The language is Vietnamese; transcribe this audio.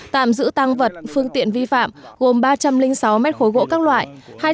tạm giữ tăng vật phương tiện vi phạm gồm ba trăm linh sáu mét khối gỗ các loại